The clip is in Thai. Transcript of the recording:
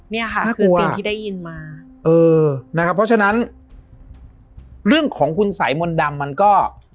เนี่ยค่ะนี่คือสิ่งที่ได้ยินมาเออนะครับเพราะฉะนั้นเรื่องของคุณสายมนต์ดำมันก็